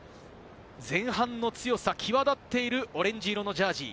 前半の強さが際立っているオレンジ色のジャージー。